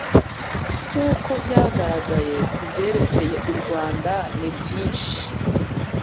nkuko byagaragaye ku byerekeye u rwanda nibyinshi